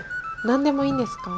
何でもいいんですか？